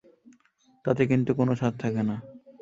তাতে কিন্তু কোনো স্বাদ থাকে না।